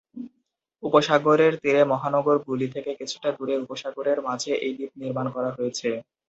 উপসাগরের তীরে মহানগর গুলি থেকে কিছুটা দূরে উপসাগরের মাঝে এই দ্বীপ নির্মান করা হয়েছে।